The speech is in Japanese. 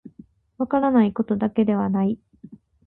分からないことだけではない